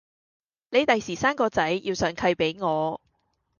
你第時生個仔要上契畀我